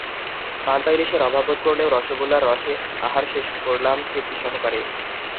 পান্তা-ইলিশের অভাব বোধ করলেও রসগোল্লার রসে আহার শেষ করলাম তৃপ্তি সহকারে।